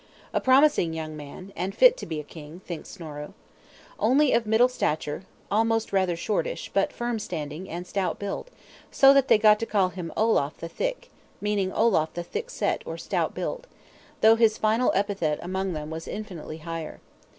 A promising young man, and fit to be a king, thinks Snorro. Only of middle stature, almost rather shortish; but firm standing, and stout built; so that they got to call him Olaf the Thick (meaning Olaf the Thick set, or Stout built), though his final epithet among them was infinitely higher.